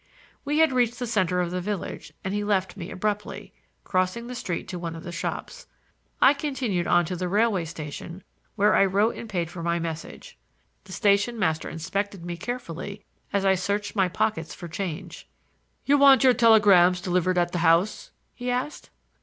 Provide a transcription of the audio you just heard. We had reached the center of the village, and he left me abruptly, crossing the street to one of the shops. I continued on to the railway station, where I wrote and paid for my message. The station master inspected me carefully as I searched my pockets for change. "You want your telegrams delivered at the house?" he asked.